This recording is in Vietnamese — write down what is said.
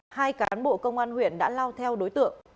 hai cán bộ công an huyện đã lao theo đối tượng